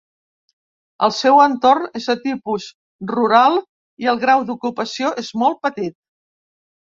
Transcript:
El seu entorn és de tipus rural i el grau d'ocupació és molt petit.